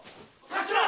頭！